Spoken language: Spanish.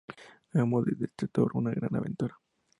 Hagamos de este tour, una gran aventura.